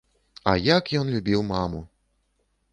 А як ён любіў маму!